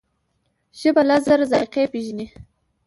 ژبه لس زره ذایقې پېژني.